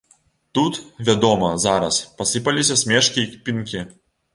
Тут, вядома, зараз пасыпаліся смешкі і кпінкі.